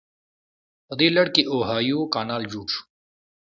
په دې لړ کې اوهایو کانال جوړ شو.